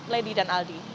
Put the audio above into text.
lady dan aldi